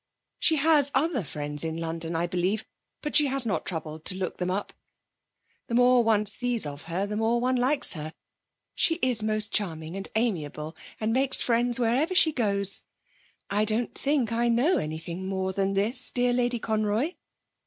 She has other friends in London, I believe, but she has not troubled to look them up. The more one sees of her the more one likes her. She is most charming and amiable and makes friends wherever she goes. I don't think I know anything more than this, dear Lady Conroy.